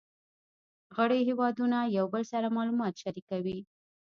غړي هیوادونه یو بل سره معلومات شریکوي